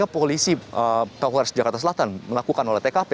polisi polres jakarta selatan melakukan oleh tkp